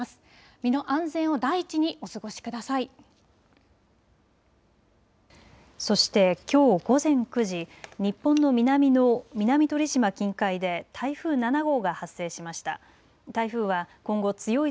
身の安全を第一にお過ごしください。